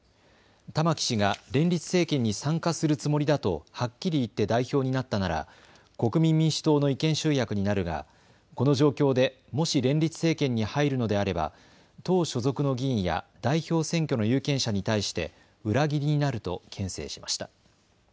玉木氏が連立政権に参加するつもりだとはっきり言って代表になったなら国民民主党の意見集約になるが、この状況でもし連立政権に入るのであれば党所属の議員や代表選挙の有権者に対して裏切りになるとけん制しました。